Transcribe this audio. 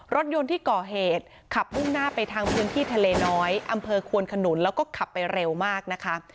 รถยนต์ที่ก่อเหตุขับมุ่งหน้าไปทางพื้นที่ทะเลน้อยอำเภอควนขนุนแล้วก็ขับไปเร็วมากนะคะ